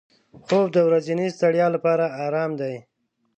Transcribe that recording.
خوب د ورځني ستړیا لپاره آرام دی